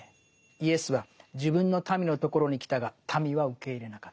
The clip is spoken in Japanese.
「イエスは自分の民の所に来たが民は受け入れなかった」。